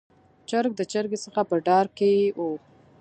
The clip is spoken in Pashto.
چرګ د چرګې څخه په ډار کې و.